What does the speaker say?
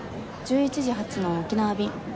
１１時発の沖縄便。